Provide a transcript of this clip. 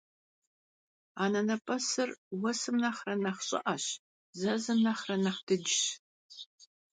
Anenep'esır vuesım nexhre nexh ş'ı'eş, zezım nexhre nexh dıcş.